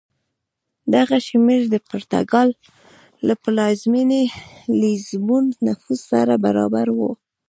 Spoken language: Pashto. دغه شمېر د پرتګال له پلازمېنې لېزبون نفوس سره برابر و.